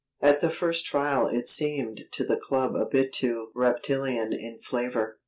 At the first trial it seemed to the club a bit too reptilian in flavour.